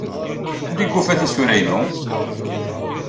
Anda ay yufa tisura-inu?